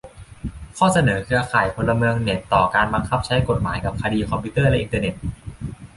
ข้อเสนอเครือข่ายพลเมืองเน็ต ต่อการบังคับใช้กฎหมายกับคดีคอมพิวเตอร์และอินเทอร์เน็ต